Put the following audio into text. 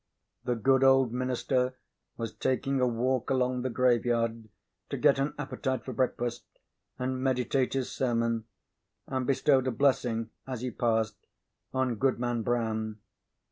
The good old minister was taking a walk along the graveyard to get an appetite for breakfast and meditate his sermon, and bestowed a blessing, as he passed, on Goodman Brown.